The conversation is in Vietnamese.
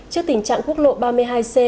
trước tình trạng quốc lộ ba mươi hai c